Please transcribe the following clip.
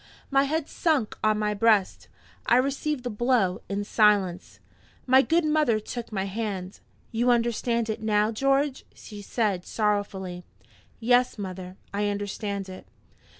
My head sunk on my breast; I received the blow in silence. My good mother took my hand. "You understand it now, George?" she said, sorrowfully. "Yes, mother; I understand it."